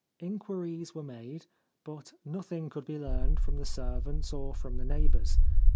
Inquiries were made ; but nothing could be learned from the servants or from the neighbours.